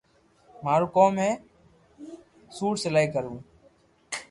مارو ڪوم ھي سوٽ سلائي ڪرو